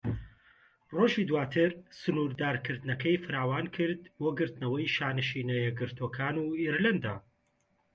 ڕۆژی دواتر، سنوردارکردنەکەی فراوانکرد بۆ گرتنەوەی شانشینە یەکگرتووەکان و ئیرلەندا.